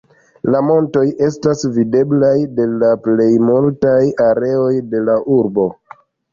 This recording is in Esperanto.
La montoj estas videblaj de la plej multaj areoj de la urbo.